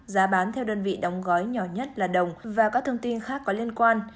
giá bán theo đơn vị đóng gói nhỏ nhất là đồng và các thông tin khác có liên quan